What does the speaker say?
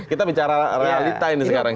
kita bicara realita ini sekarang